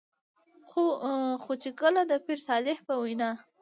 خو چې کله د پير صالح په وېنا